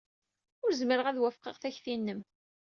Ur zmireɣ ad wafqeɣ takti-nnem.